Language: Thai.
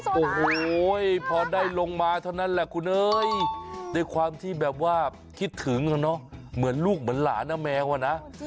โอ้โหพอได้ลงมาเท่านั้นแหละคุณเอ้ยด้วยความที่แบบว่าคิดถึงอะเนาะเหมือนลูกเหมือนหลานนะแมวอะนะ